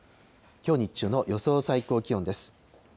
きょう日中の予想最高気温です。